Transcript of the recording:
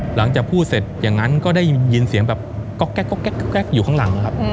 หลังจากพูดเสร็จอย่างนั้นก็ได้ยินเสียงแบบก๊อกอยู่ข้างหลังนะครับ